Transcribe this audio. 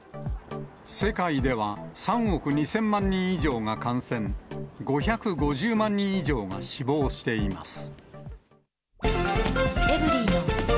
世界では３億２０００万人以上が感染、５５０万人以上が死亡しています。